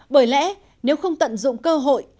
bởi lẽ nếu không tận dụng cơ hội